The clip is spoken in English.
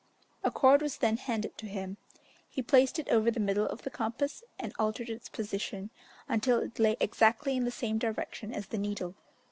A cord was then handed to him. He placed it over the middle of the compass, and altered its position until it lay exactly in the same direction as the needle.